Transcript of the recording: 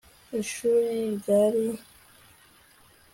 Ishuri ryari